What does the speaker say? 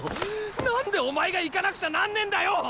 何でお前が行かなくちゃなんねェんだよ！